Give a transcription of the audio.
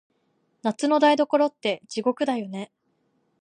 夏の台所って、地獄だよね。